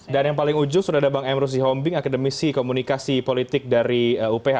dan yang paling ujung sudah ada bang emrus zihombing akademisi komunikasi politik dari uph